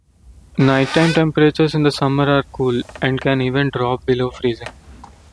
Nighttime temperatures in the summer are cool, and can even drop below freezing.